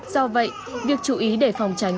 do vậy việc chú ý để phòng tránh